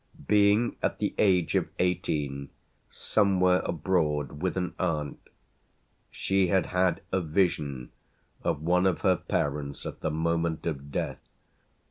Being at the age of eighteen somewhere abroad with an aunt she had had a vision of one of her parents at the moment of death.